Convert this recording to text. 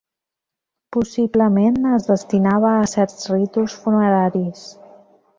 Possiblement, es destinava a certs ritus funeraris.